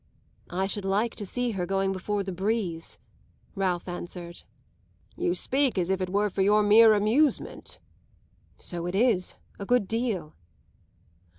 "I should like to see her going before the breeze!" Ralph answered. "You speak as if it were for your mere amusement." "So it is, a good deal."